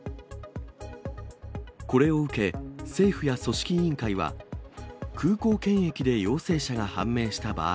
これを受け、政府や組織委員会は、空港検疫で陽性者が判明した場合、